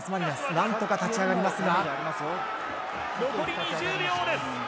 何とか立ち上がりますが。